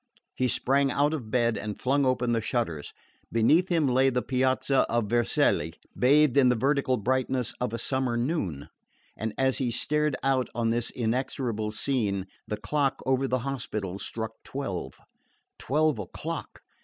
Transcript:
He sprang out of bed and flung open the shutters. Beneath him lay the piazza of Vercelli, bathed in the vertical brightness of a summer noon; and as he stared out on this inexorable scene, the clock over the Hospital struck twelve. Twelve o'clock!